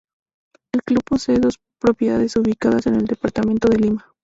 El club posee dos propiedades ubicadas en el Departamento de Lima.